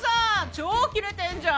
超キレてんじゃん！